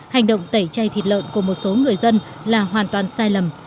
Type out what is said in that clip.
hành động tẩy chay thịt lợn của một số người dân là hoàn toàn sai lầm